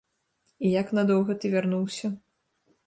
І як надоўга ты вярнуўся?